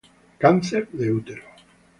Cáncer de útero